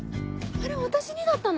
あれ私にだったの？